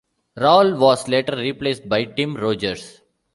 Rawle was later replaced by Tim Rogers.